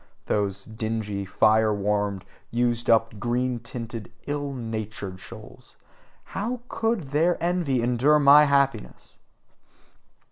Those dingy, fire warmed, used up, green tinted, ill natured souls how COULD their envy endure my happiness!